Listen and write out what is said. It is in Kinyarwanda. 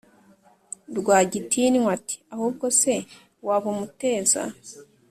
Rwagitinywa ati"ahubwo se wabumuteza?"